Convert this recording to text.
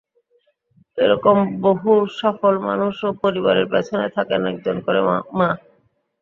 এ রকম বহু সফল মানুষ ও পরিবারের পেছনে থাকেন একজন করে মা।